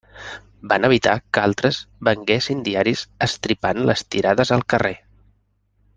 Van evitar que altres venguessin diaris estripant les tirades al carrer.